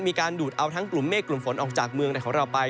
ดูดเอาทั้งกลุ่มเมฆกลุ่มฝนออกจากเมืองในของเราไป